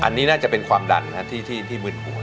อันนี้น่าจะเป็นความดันที่มืดหัว